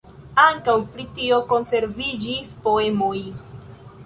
Ankaŭ pri tio konserviĝis poemoj.